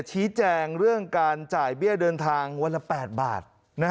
ชี้แจงเรื่องการจ่ายเบี้ยเดินทางวันละ๘บาท